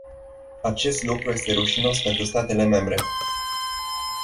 Acest lucru este rușinos pentru statele membre.